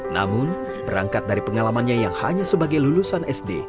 namun berangkat dari pengalamannya yang hanya sebagai lulusan sd